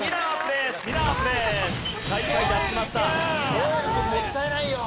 如恵留君もったいないよ。